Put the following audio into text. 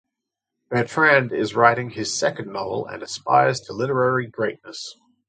Bertrand is writing his second novel and aspires to literary greatness.